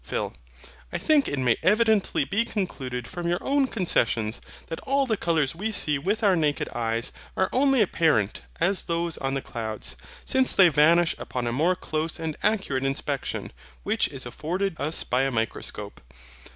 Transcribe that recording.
PHIL. I think it may evidently be concluded from your own concessions, that all the colours we see with our naked eyes are only apparent as those on the clouds, since they vanish upon a more close and accurate inspection which is afforded us by a microscope.